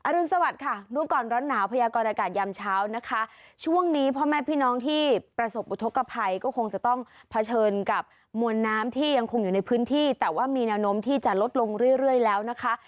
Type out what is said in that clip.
รุนสวัสดิ์ค่ะดูก่อนร้อนหนาวพยากรอากาศยามเช้านะคะช่วงนี้พ่อแม่พี่น้องที่ประสบอุทธกภัยก็คงจะต้องเผชิญกับมวลน้ำที่ยังคงอยู่ในพื้นที่แต่ว่ามีแนวโน้มที่จะลดลงเรื่อยแล้วนะคะ